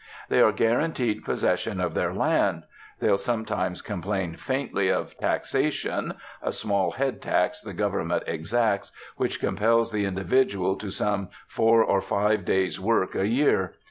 They are guaranteed possession of their land. They'll sometimes complain faintly of 'taxation' a small head tax the Government exacts, which compels the individual to some four or five days' work a year.